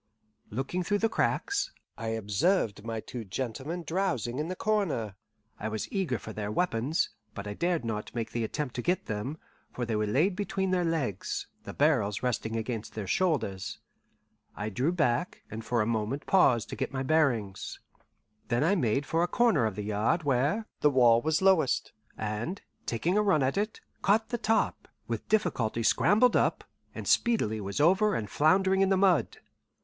Looking through the cracks, I observed my two gentlemen drowsing in the corner. I was eager for their weapons, but I dared not make the attempt to get them, for they were laid between their legs, the barrels resting against their shoulders. I drew back, and for a moment paused to get my bearings. Then I made for a corner of the yard where the wall was lowest, and, taking a run at it, caught the top, with difficulty scrambled up, and speedily was over and floundering in the mud.